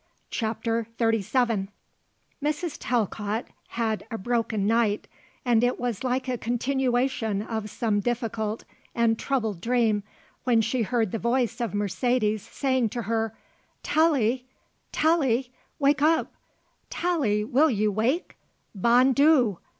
CHAPTER XXXVII Mrs. Talcott had a broken night and it was like a continuation of some difficult and troubled dream when she heard the voice of Mercedes saying to her: "Tallie, Tallie, wake up. Tallie, will you wake! _Bon Dieu!